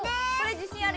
自信ある。